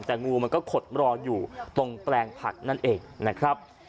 แต่งูมันก็ขดรออยู่ตรงแปลงผักนั่นเองนะครับ